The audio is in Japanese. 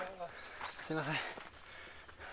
すいません。